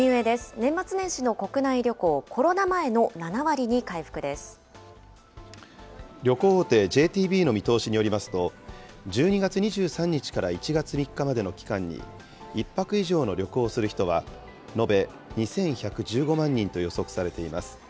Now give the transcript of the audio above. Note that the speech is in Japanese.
年末年始の国内旅行、コロナ前の旅行大手、ＪＴＢの見通しによりますと、１２月２３日から１月３日までの期間に１泊以上の旅行する人は、延べ２１１５万人と予測されています。